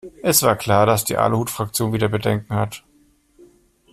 Es war klar, dass die Aluhutfraktion wieder Bedenken hat.